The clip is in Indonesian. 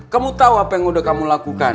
kamu tahu apa yang sudah kamu lakukan